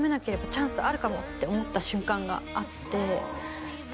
「チャンスあるかも」って思った瞬間があってで